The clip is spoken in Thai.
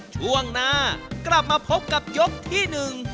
ช่วงหน้ากลับมาพบกับยกที่หนึ่ง